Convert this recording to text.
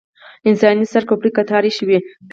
انساني سر کوپړۍ کتار ایښې وې.